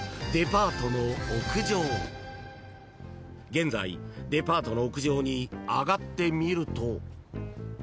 ［現在デパートの屋上に上がってみると］